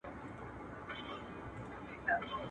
خوري غم دي د ورور وخوره هدیره له کومه راوړو..